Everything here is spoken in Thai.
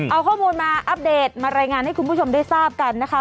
เอาข้อมูลมาอัปเดตมารายงานให้คุณผู้ชมได้ทราบกันนะคะ